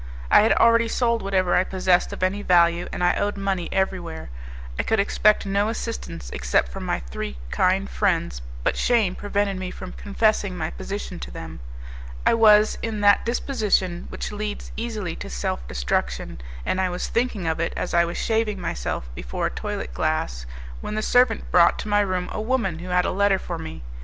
I had already sold whatever I possessed of any value, and I owed money everywhere. I could expect no assistance except from my three kind friends, but shame prevented me from confessing my position to them. I was in that disposition which leads easily to self destruction, and I was thinking of it as I was shaving myself before a toilet glass, when the servant brought to my room a woman who had a letter for me.